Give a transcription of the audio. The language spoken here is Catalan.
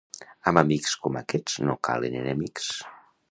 Amb amics com aquests no calen enemics.